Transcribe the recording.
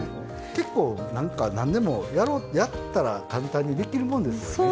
結構、なんでもやったら簡単にできるもんですよね。